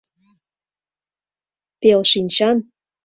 Пел шинчан